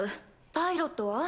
パイロットは？